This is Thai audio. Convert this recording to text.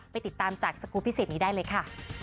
ไปติดตามจากสกูลพิเศษนี้ได้เลยค่ะ